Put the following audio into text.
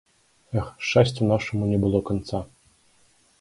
Эх, шчасцю нашаму не было канца.